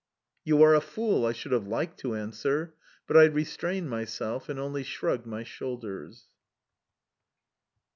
"You are a fool," I should have liked to answer. But I restrained myself and only shrugged my shoulders.